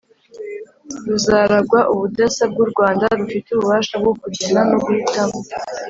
Ruzaragwa ubudasa bw u rwanda rufite ububasha bwo kugena no guhitamo